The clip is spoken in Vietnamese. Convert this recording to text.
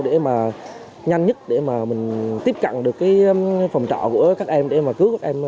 để mà nhanh nhất để mà mình tiếp cận được cái phòng trọ của các em để mà cứu các em